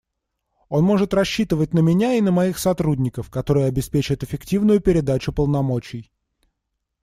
Он может рассчитывать на меня и на моих сотрудников, которые обеспечат эффективную передачу полномочий.